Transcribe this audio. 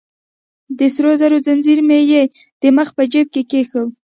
د سرو زرو ځنځیر مې يې د مخ په جیب کې کېښود.